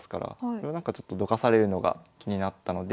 これをなんかちょっとどかされるのが気になったので。